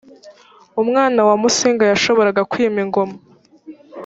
umwana wa musinga yashoboraga kwima ingoma